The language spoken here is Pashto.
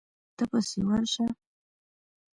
ته پسې ورشه.